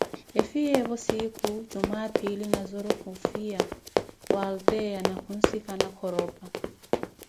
Efiyeevo sinkhu jumwaa-phiili Nazoro khufiya walteyiya ni khunsikana Khoropa.